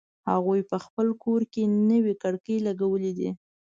هغوی په خپل کور کی نوې کړکۍ لګولې دي